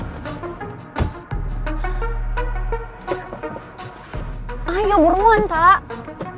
warganegari dari hari ini itu tuh bener bener lupa apa pura pura lupa sih hari ini kan bisa berhenti senja terhadapkan